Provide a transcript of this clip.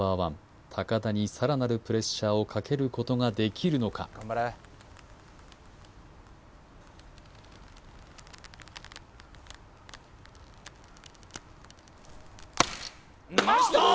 Ｎｏ．１高田にさらなるプレッシャーをかけることができるのかきたー！